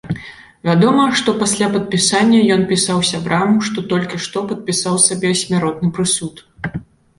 Вядома, што пасля падпісання ён пісаў сябрам, што толькі што падпісаў сабе смяротны прысуд.